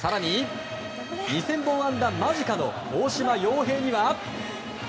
更に２０００本安打間近の大島洋平には。